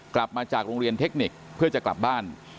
กลับมาจากโรงเรียนเทคนิคเพื่อจะกลับบ้าน